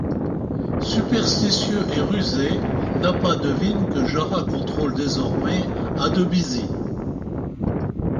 Superstitieux et rusé, Nappa devine que Jara contrôle désormais Adebisi.